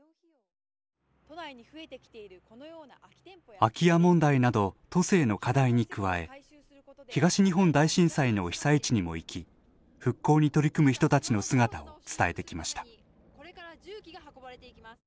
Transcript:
空き家問題など都政の課題に加え東日本大震災の被災地にも行き復興に取り組む人たちの姿を伝えてきました。